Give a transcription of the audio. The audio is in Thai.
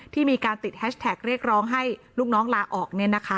ที่มีการติดแฮชแท็กเรียกร้องให้ลูกน้องลาออก